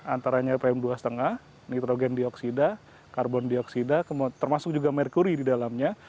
antaranya pm dua lima nitrogen dioksida karbon dioksida termasuk juga merkuri di dalamnya